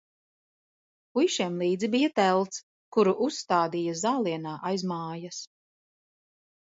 Puišiem līdzi bija telts, kuru uzstādīja zālienā aiz mājas.